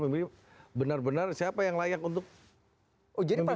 memilih benar benar siapa yang layak untuk memanggi